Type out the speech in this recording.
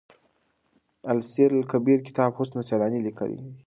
السير لکبير کتاب حسن سيلاني ليکی دی.